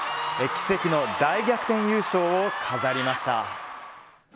奇跡の大逆転優勝を飾りました。